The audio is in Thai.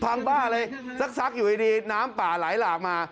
บ้าเลยซักอยู่ดีน้ำป่าไหลหลากมา